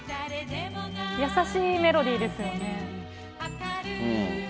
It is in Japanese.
優しいメロディーですよね。